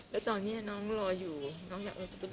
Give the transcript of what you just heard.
แล้วตอนนี้น้องรออยู่น้องอยากโอน